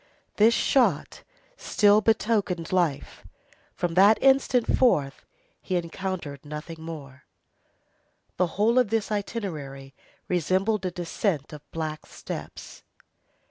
This shot still betokened life. From that instant forth he encountered nothing more. The whole of this itinerary resembled a descent of black steps.